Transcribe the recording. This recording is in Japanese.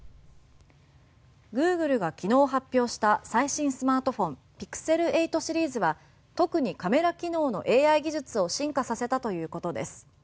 グーグルが昨日発表したスマートフォンＰｉｘｅｌ８シリーズは特にカメラ機能のＡＩ技術を進化させたということです。